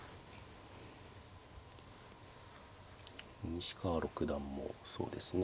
西川六段もそうですね